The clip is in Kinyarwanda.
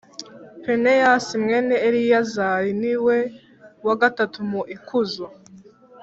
Pineyasi, mwene Eleyazari, ni we wa gatatu mu ikuzo,